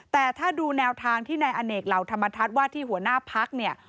แต่ถ้าดูแนวทางที่นายอเนกเหล่าธรรมทัศน์ว่าที่หัวหน้าพักเนี่ย